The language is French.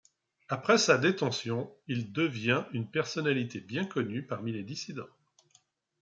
Après sa détention, il devient une personnalité bien connue parmi les dissidents.